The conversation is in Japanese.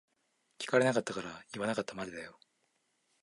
聞かれなかったから言わなかったまでだよ。